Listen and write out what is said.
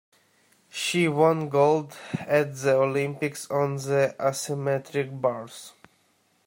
She won gold at the Olympics on the asymmetric bars